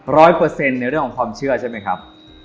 เปอร์เซ็นต์ในเรื่องของความเชื่อใช่ไหมครับ